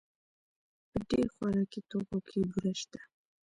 په ډېر خوراکي توکو کې بوره شته.